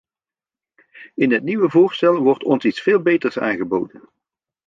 In het nieuwe voorstel wordt ons iets veel beters aangeboden.